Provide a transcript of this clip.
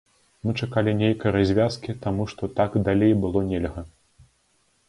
Мы чакалі нейкай развязкі, таму што так далей было нельга.